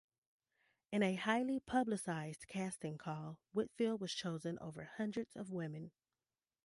In a highly publicized casting call, Whitfield was chosen over hundreds of women.